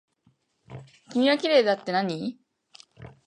君はきれいだってなに。